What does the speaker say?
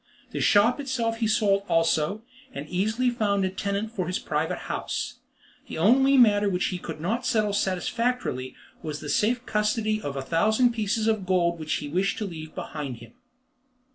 The shop itself he sold also, and easily found a tenant for his private house. The only matter he could not settle satisfactorily was the safe custody of a thousand pieces of gold which he wished to leave behind him.